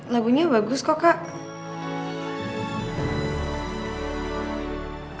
lagunya bagus kok kak